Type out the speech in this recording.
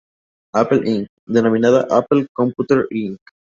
Apple Inc., denominada Apple Computer Inc.